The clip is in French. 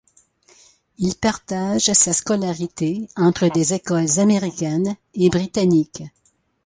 Il partage sa scolarité entre des écoles américaines et britanniques.